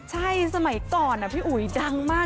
ใช่สมัยก่อนพี่อุ๋ยดังมาก